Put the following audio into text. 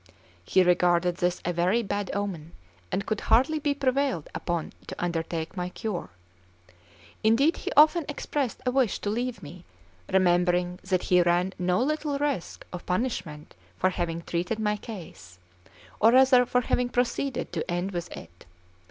He regarded this as a very bad omen, and could hardly be prevailed upon to undertake my cure. Indeed, he often expressed a wish to leave me, remembering that he ran no little risk of punishment for having treated my case, or rather for having proceeded to the end with it.